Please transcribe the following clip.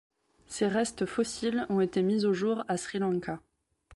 Ses restes fossiles ont été mis au jour à Sri Lanka.